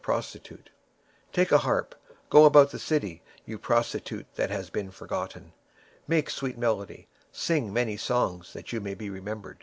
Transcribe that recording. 23:023:016 Take an harp, go about the city, thou harlot that hast been forgotten; make sweet melody, sing many songs, that thou mayest be remembered.